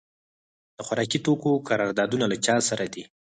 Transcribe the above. د خوراکي توکو قراردادونه له چا سره دي؟